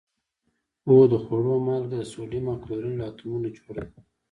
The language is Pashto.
هو د خوړلو مالګه د سوډیم او کلورین له اتومونو جوړه ده